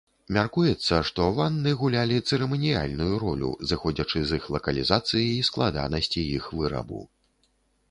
Мяркуецца, што ванны гулялі цырыманіяльную ролю, зыходзячы з іх лакалізацыі і складанасці іх вырабу.